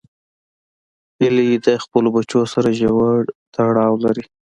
هیلۍ د خپلو بچو سره ژور تړاو لري